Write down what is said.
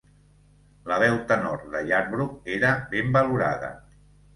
La veu tenor de Yarbrough era ben valorada.